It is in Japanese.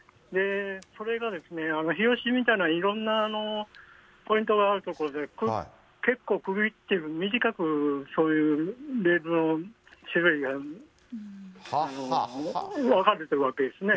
それが日吉みたいないろんなポイントがある所で、結構、込み入っている、短くそういうレールの種類が分かれてるわけですね。